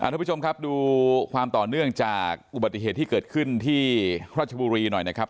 ทุกผู้ชมครับดูความต่อเนื่องจากอุบัติเหตุที่เกิดขึ้นที่ราชบุรีหน่อยนะครับ